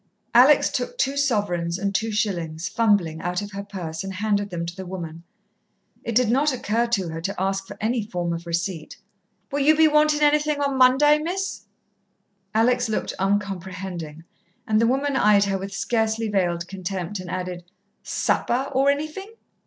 Alex took two sovereigns and two shillings, fumbling, out of her purse and handed them to the woman. It did not occur to her to ask for any form of receipt. "Will you be wanting anything on Monday, Miss?" Alex looked uncomprehending, and the woman eyed her with scarcely veiled contempt and added, "Supper, or anything?"